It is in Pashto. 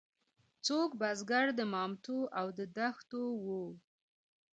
څوک بزګر د مامتو او د کښتو وو.